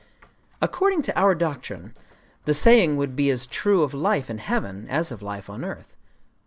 _ According to our doctrine, the saying would be as true of life in heaven as of life upon earth….